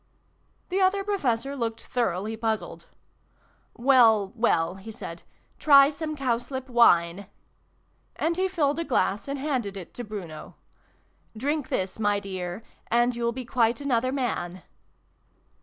The Other Professor looked thoroughly puzzled. " Well, well !" he said. " Try some cowslip wine !" And he filled a glass and handed it to Bruno. " Drink this, my dear,, and you'll be quite another man